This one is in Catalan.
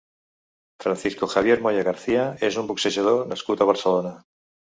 Francisco Javier Moya García és un boxejador nascut a Barcelona.